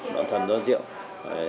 đoạn thần do rượu